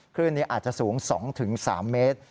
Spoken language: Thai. คลื่นนี้อาจจะสูง๒๓เมตร